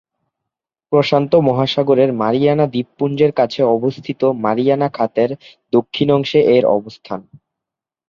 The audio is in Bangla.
প্রশান্ত মহাসাগরের মারিয়ানা দ্বীপপুঞ্জের কাছে অবস্থিত মারিয়ানা খাতের দক্ষিণ অংশে এর অবস্থান।